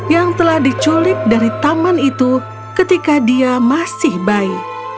yang telah diculik dari taman itu ketika dia masih bayi